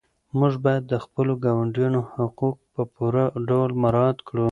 موږ باید د خپلو ګاونډیانو حقوق په پوره ډول مراعات کړو.